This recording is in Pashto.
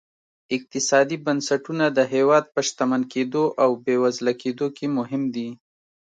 اقتصادي بنسټونه د هېواد په شتمن کېدو او بېوزله کېدو کې مهم دي.